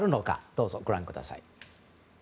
どうぞご覧ください。